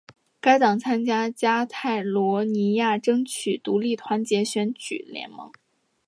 该党参加加泰罗尼亚争取独立团结选举联盟。